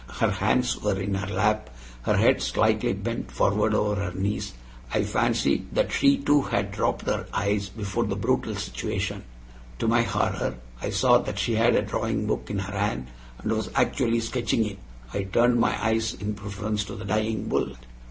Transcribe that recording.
Her hands were in her lap, her head slightly bent forward over her knees. I fancied that she, too, had dropped her eyes before the brutal situation; to my horror, I saw that she had a drawing book in her hand and was actually sketching it. I turned my eyes in preference to the dying bull.